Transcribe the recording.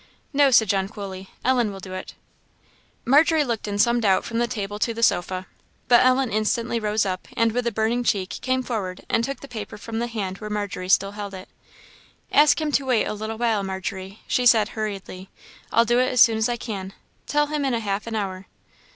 "No," said John, coolly. "Ellen will do it." Margery looked in some doubt from the table to the sofa, but Ellen instantly rose up, and with a burning cheek came forward and took the paper from the hand where Margery still held it. "Ask him to wait a little while, Margery," she, said hurriedly; "I'll do it as soon as I can tell him in half an hour."